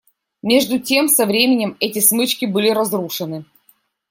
Между тем со временем эти смычки были разрушены.